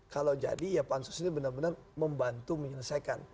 kalau jadi ya pansus ini benar benar membantu menyelesaikan